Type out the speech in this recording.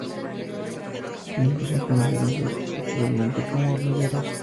Sus miembros son conocidas popularmente como hormigueros.